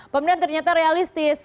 pemerintah ternyata realistis